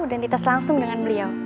dan dites langsung dengan beliau